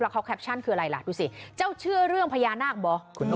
แล้วเขาแคบชันคืออะไรหรอดูสิเจ้าเชื่อเรื่องพญานาคบะ